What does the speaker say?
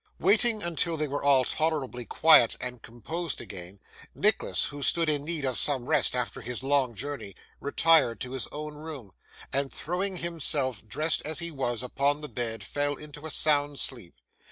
Waiting until they were all tolerably quiet and composed again, Nicholas, who stood in need of some rest after his long journey, retired to his own room, and throwing himself, dressed as he was, upon the bed, fell into a sound sleep.